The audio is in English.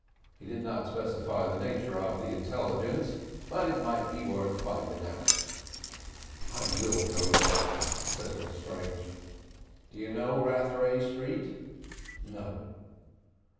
He did not specify the nature of the intelligence, but it might be worth finding out." "I will go there," said Lestrange. "Do you know Rathray Street?" "No."